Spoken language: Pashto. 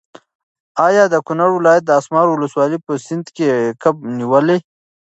ایا د کونړ ولایت د اسمار ولسوالۍ په سیند کې کب نیولی؟